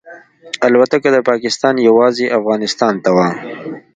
الوتکه د پاکستان یوازې افغانستان ته وه.